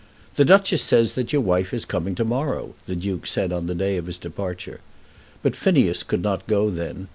"The Duchess says that your wife is coming to morrow," the Duke said on the day of his departure. But Phineas could not go then.